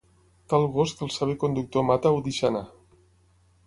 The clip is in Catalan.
Tal gos que el savi conductor mata o deixa anar.